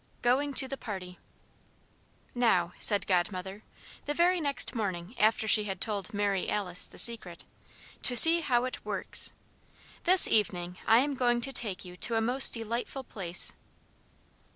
V GOING TO THE PARTY "Now," said Godmother, the very next morning after she had told Mary Alice the Secret, "to see how it works! This evening I am going to take you to a most delightful place."